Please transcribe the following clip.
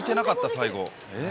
最後。